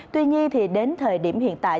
tuy nhiên đến thời điểm hiện tại